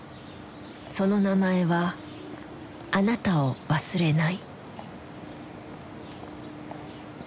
その名前は「あなたを忘れない」。